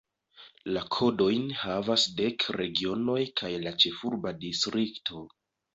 La kodojn havas dek regionoj kaj la ĉefurba distrikto.